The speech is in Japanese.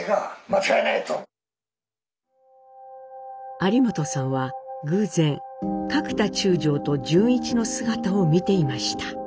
有元さんは偶然角田中将と潤一の姿を見ていました。